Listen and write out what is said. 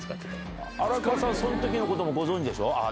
荒川さんはその時のこともご存じでしょ？